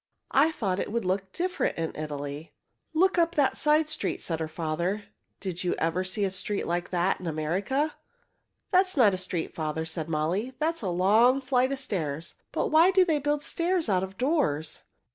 I thought it would look different in Italy." "Look up that side street," said her father. "Did you ever see a street like that in America?" "That is not a street, father," said Molly. "That is a long flight of stairs. But why do they build stairs out of doors?"